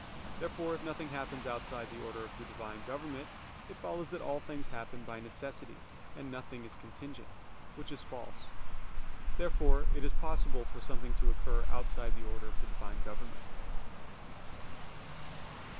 Therefore, if nothing happens outside the order of the Divine government, it follows that all things happen by necessity, and nothing is contingent; which is false. Therefore it is possible for something to occur outside the order of the Divine government.